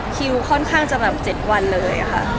คิวค่อนข้างจะแบบ๗วันเลยค่ะ